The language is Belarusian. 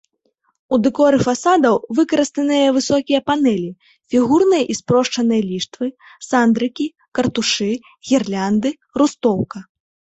У дэкоры фасадаў выкарыстаныя высокія панэлі, фігурныя і спрошчаныя ліштвы, сандрыкі, картушы, гірлянды, рустоўка.